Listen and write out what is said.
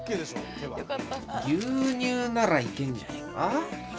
牛乳ならいけんじゃねえか？